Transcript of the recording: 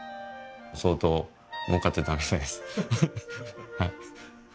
相当もうかってたみたいです。